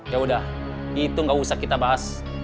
yaudah itu gak usah kita bahas